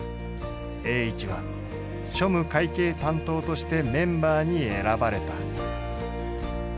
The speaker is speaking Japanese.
栄一は庶務・会計担当としてメンバーに選ばれた。